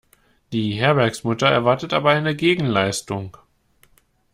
Die Herbergsmutter erwartet aber eine Gegenleistung.